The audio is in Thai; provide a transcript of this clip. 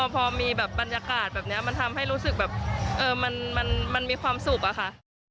พอมีแบบบรรยากาศแบบนี้มันทำให้รู้สึกแบบมันมีความสุขอะค่ะ